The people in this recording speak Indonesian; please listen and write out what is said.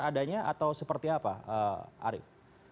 adanya atau seperti apa arief